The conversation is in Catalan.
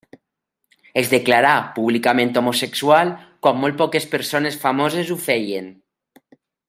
Es declarà públicament homosexual quan molt poques persones famoses ho feien.